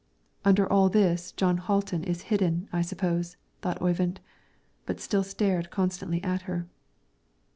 "Under all this Jon Hatlen is hidden, I suppose," thought Oyvind, but still stared constantly at her.